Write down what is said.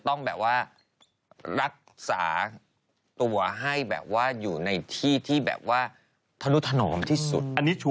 ท้องแล้วจ้าเอาไปติดตามข่าวนี้กันค่ะ